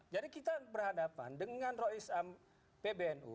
jadi kita berhadapan dengan rois pbnu